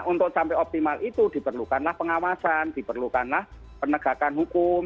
untuk sampai optimal itu diperlukanlah pengawasan diperlukanlah penegakan hukum